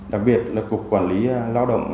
đặc biệt là cục quản lý lao động